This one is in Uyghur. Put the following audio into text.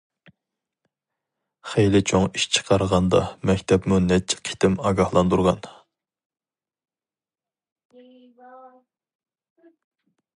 خېلى چوڭ ئىش چىقارغاندا مەكتەپمۇ نەچچە قېتىم ئاگاھلاندۇرغان.